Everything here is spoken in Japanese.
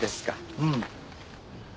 うん。